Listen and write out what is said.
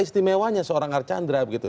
istimewanya seorang arkanra